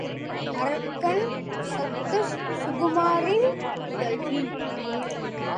அரக்கன் சர்க்கஸ் சுகுமாரின் புதல்வி!